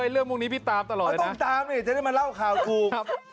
เรื่องมุมนี้พี่ตามตลอดเลยนะต้องตามนี่จะได้มาเล่าข่าวคลุม